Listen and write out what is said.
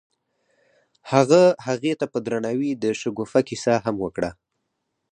هغه هغې ته په درناوي د شګوفه کیسه هم وکړه.